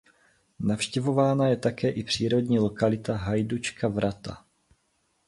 Navštěvována je také i přírodní lokalita Hajdučka vrata.